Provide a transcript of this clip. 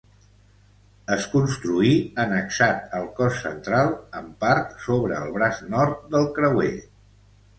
Es construí annexat al cos central, en part sobre el braç nord del creuer.